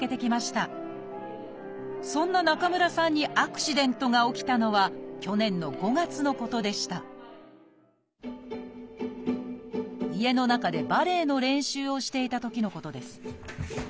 そんな中村さんにアクシデントが起きたのは去年の５月のことでした家の中でバレエの練習をしていたときのことです。